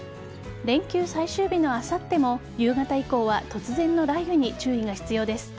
連休最終日のあさっても夕方以降は突然の雷雨に注意が必要です。